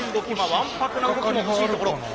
わんぱくな動きも欲しいところ。